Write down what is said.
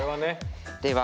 では